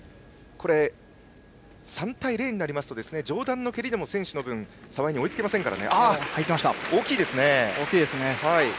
３対０になると上段の蹴りでも先取の分澤江に追いつけませんから。